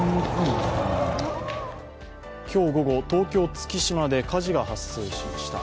今日午後、東京・月島で火事が発生しました。